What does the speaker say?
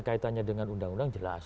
kaitannya dengan undang undang jelas